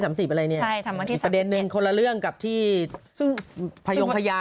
ซึ่งพยนต์พยาน